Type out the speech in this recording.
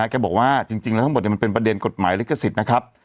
ก็บอกว่าจริงแล้วมันเป็นประเด็นกฎหมายและกษิตรนะครับ